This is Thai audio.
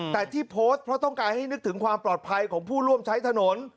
แต่ที่โพสต์เพราะต้องการให้นึกถึงความปลอดภัยของผู้ร่วมใช้ถนน